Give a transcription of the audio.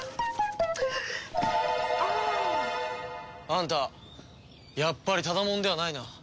あんたやっぱりただ者ではないな。